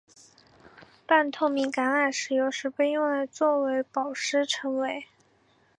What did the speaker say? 半透明橄榄石有时被用来作为宝石称为。